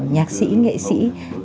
nhạc sĩ nghệ sĩ